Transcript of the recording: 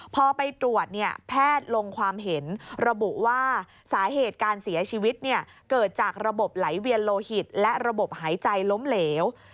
พอไปตรวจแพทย์ลงความเห็นระบุว่าสาเหตุการเสียชีวิตเกิดจากระบบไหลเวียนโลหิตและระบบหายใจล้มเหลว